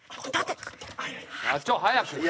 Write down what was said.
社長早く。